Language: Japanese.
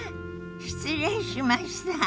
失礼しました。